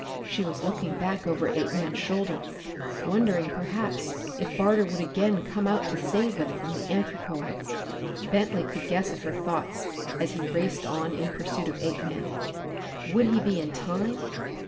She was looking back over Apeman's shoulder, wondering perhaps if Barter would again come out to save them from the anthropoids. Bentley could guess at her thoughts as he raced on in pursuit of Apeman. Would he be in time?